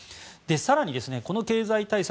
更に、この経済対策